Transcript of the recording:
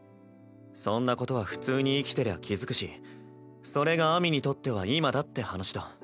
そんなことは普通に生きてりゃ気付くしそれが秋水にとっては今だって話だ。